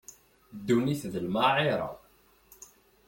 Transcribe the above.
Ddunit d lmaɛira.